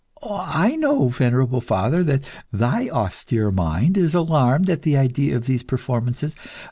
I know, venerable father, that thy austere mind is alarmed at the idea of these performances.